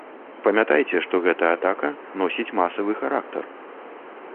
Памятайце, што гэта атака носіць масавы характар.